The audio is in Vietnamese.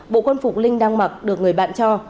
bộ quân phục linh đang mặc được người bạn cho